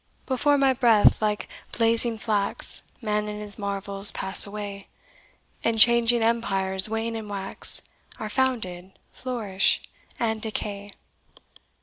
"Before my breath, like, blazing flax, Man and his marvels pass away; And changing empires wane and wax, Are founded, flourish and decay.